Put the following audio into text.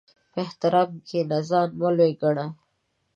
په احترام کښېنه، ځان مه لوی ګڼه.